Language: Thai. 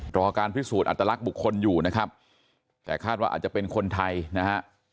รอการพิสูจน์อัตลักษณ์บุคคลอยู่นะครับแต่คาดว่าอาจจะเป็นคนไทยนะฮะ